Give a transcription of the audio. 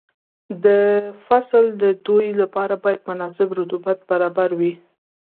د فصل د ودې لپاره باید مناسب رطوبت برابر وي.